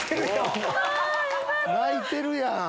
泣いてるやん。